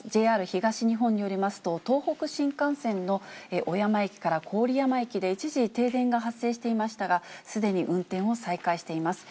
ＪＲ東日本によりますと、東北新幹線の小山駅から郡山駅で一時停電が発生していましたが、すでに運転を再開しています。